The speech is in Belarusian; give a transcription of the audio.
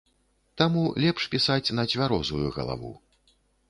Таму лепш пісаць на цвярозую галаву.